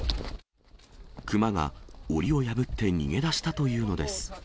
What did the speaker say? クマがおりを破って逃げだしたというのです。